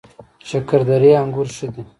شکردرې انګور ښه دي؟